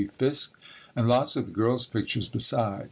Fisk and lots of the girls' pictures besides.